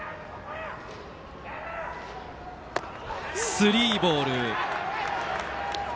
スリーボール。